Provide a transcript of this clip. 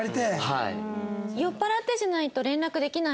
はい。